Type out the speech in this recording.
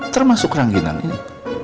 termasuk rangginan ini